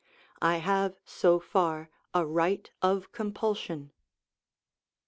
_, I have so far a right of compulsion.